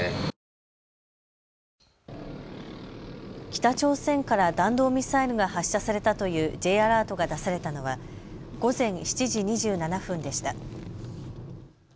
北朝鮮から弾道ミサイルが発射されたというＪアラートが出されたのは午前７時２７分でした。